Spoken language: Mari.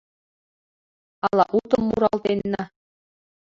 Ала утым муралтенна